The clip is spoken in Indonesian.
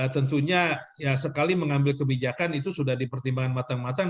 tentunya ya sekali mengambil kebijakan itu sudah dipertimbangkan matang matang